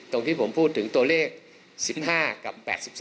ตรงที่ผมพูดถึงตัวเลข๑๕กับ๘๒